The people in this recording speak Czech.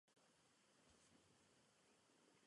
Informace o léčivých přípravcích jsou zvláště citlivé.